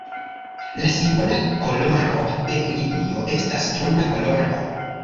La simbola koloro de linio estas bruna koloro.